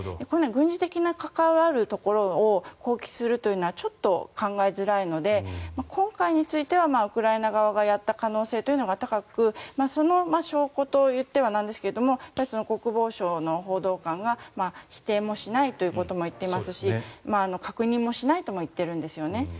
このように軍事的に関わるところを攻撃するというのはちょっと考えづらいので今回についてはウクライナ側がやった可能性が高くその証拠と言ってはなんですが国防省の報道官が否定もしないということを言っていますし確認もしないとも言っているんですね。